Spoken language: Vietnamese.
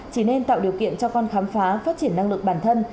chỉ nên tạo điều kiện cho con khám phá phát triển năng lực bản thân